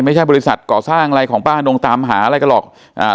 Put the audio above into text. บริษัทก่อสร้างอะไรของป้านงตามหาอะไรกันหรอกอ่า